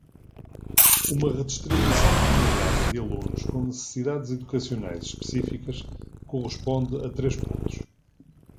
Uma redistribuição equilibrada de alunos com necessidades educacionais específicas corresponde a três pontos.